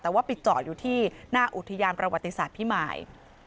แต่ว่าไปจอดอยู่ที่หน้าอุทยานประวัติศาสตร์พิมาย